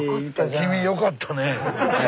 君よかったねえ。